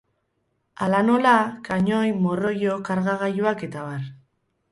Hala nola, kanoi, morroilo, karga-gailuak etab.